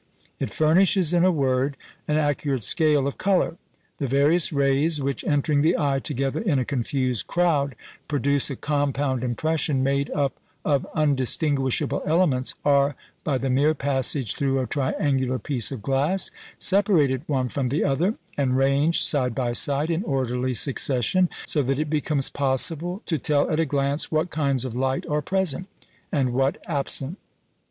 It furnishes, in a word, an accurate scale of colour. The various rays which, entering the eye together in a confused crowd, produce a compound impression made up of undistinguishable elements, are, by the mere passage through a triangular piece of glass, separated one from the other, and ranged side by side in orderly succession, so that it becomes possible to tell at a glance what kinds of light are present, and what absent.